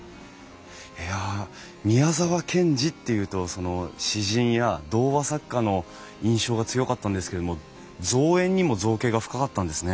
いや宮沢賢治っていうと詩人や童話作家の印象が強かったんですけれども造園にも造詣が深かったんですね。